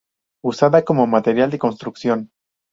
Usada como material de construcción.